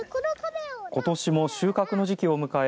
ことしも収穫の時期を迎え